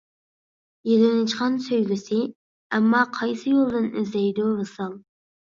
يېلىنجىغان سۆيگۈسى ئەمما، قايسى يولدىن ئىزدەيدۇ ۋىسال.